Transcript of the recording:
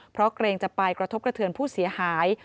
เพราะเกรงจะไปกระทบกระเทือนผู้เสียหาย